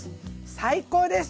最高です！